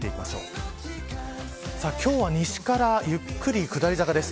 今日は西からゆっくり下り坂です。